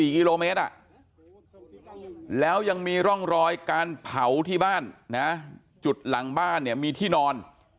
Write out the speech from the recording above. ๔กิโลเมตรแล้วยังมีร่องรอยการเผาที่บ้านนะจุดหลังบ้านเนี่ยมีที่นอน